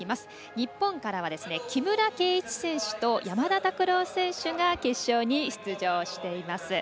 日本からは木村敬一選手と山田拓朗選手が決勝に出場しています。